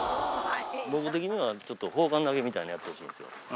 僕的にはちょっと砲丸投げみたいにやってほしいんですよ。